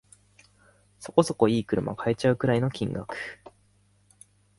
そこそこ良い車買えちゃうくらいの金額